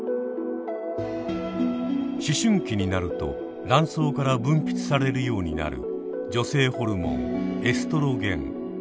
思春期になると卵巣から分泌されるようになる女性ホルモンエストロゲン。